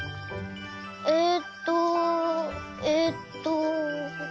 えっとえっと。